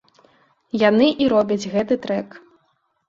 Яны і робяць гэты трэк.